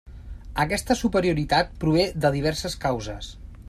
Aquesta superioritat prové de diverses causes.